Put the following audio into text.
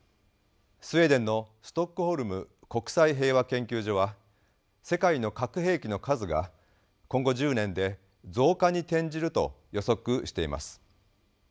スウェーデンのストックホルム国際平和研究所は世界の核兵器の数が今後１０年で増加に転じると予測しています。